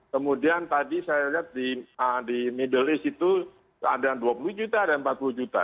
kemudian tadi saya lihat di middle east itu ada rp dua puluh juta ada rp empat puluh juta